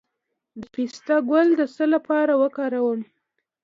د پسته ګل د څه لپاره وکاروم؟